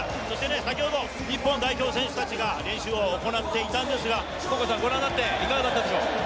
先ほど日本代表選手たちが練習を行っていたんですが、ご覧になっていかがだったでしょうか？